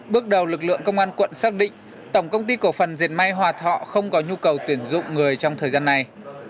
bước đầu lực lượng công an quận xác định tổng công ty cổ phần diệt may hòa thọ không có nhu cầu tuyển dụng người trong thời gian này